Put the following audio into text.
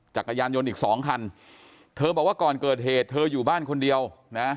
จักรยานยนต์อีกสองคันเธอบอกว่าก่อนเกิดเหตุเธออยู่บ้านคนเดียวนะ